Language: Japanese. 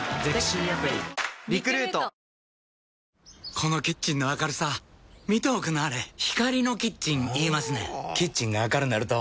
このキッチンの明るさ見ておくんなはれ光のキッチン言いますねんほぉキッチンが明るなると・・・